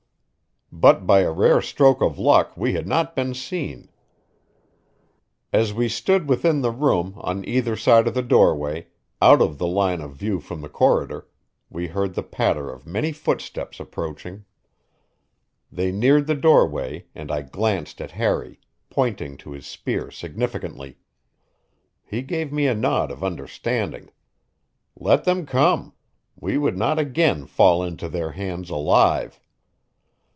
But by a rare stroke of luck we had not been seen. As we stood within the room on either side of the doorway, out of the line of view from the corridor, we heard the patter of many footsteps approaching. They neared the doorway, and I glanced at Harry, pointing to his spear significantly. He gave me a nod of understanding. Let them come; we would not again fall into their hands alive.